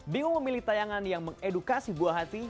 bingung memilih tayangan yang mengedukasi buah hati